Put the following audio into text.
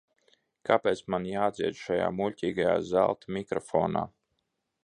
Kāpēc man jādzied šajā muļķīgajā zelta mikrofonā?